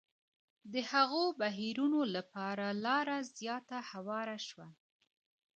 د هغو بهیرونو لپاره لاره زیاته هواره شوه.